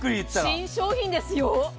新商品ですよ。